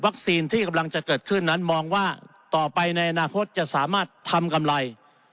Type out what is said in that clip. ที่กำลังจะเกิดขึ้นนั้นมองว่าต่อไปในอนาคตจะสามารถทำกำไร